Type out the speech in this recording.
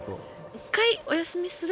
一回お休みする？